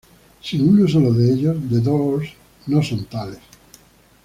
Sin uno solo de ellos The Doors no son tales".